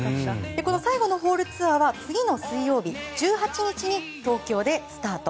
最後のホールツアーは次の水曜日、１８日東京でスタート。